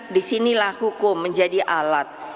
disinilah hukum menjadi alat